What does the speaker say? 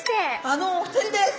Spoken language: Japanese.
あのお二人です。